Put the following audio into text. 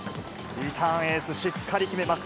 リターンエース、しっかり決めます。